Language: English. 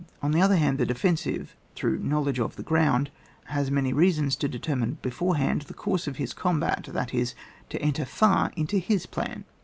On the other hand, the defensive, through (knowledge of) the ground, has many reasons to determine beforehand the course of his oombat, that is, to enter far into his plan.